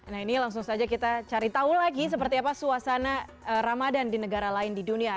nah ini langsung saja kita cari tahu lagi seperti apa suasana ramadan di negara lain di dunia